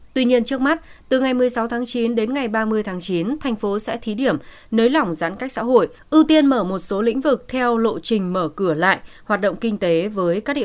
tuy nhiên trước mắt từ ngày một mươi sáu tháng chín đến ngày ba mươi tháng chín thành phố sẽ thí điểm nới lỏng giãn cách xã hội ưu tiên mở một số lĩnh vực theo lộ trình mở cửa lại hoạt động kinh tế